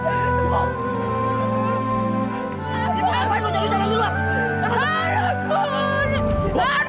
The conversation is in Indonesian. ibu apaanmu jangan jalan keluar